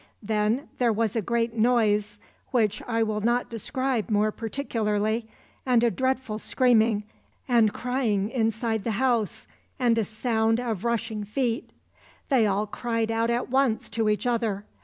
Then there was a great noise which I will not describe more particularly, and a dreadful screaming and crying inside the house and a sound of rushing feet. They all cried out at once to each other.